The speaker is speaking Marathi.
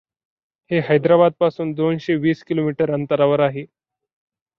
हे हैद्राबादपासून दोनशे वीस किलोमीटर अंतरावर आहे.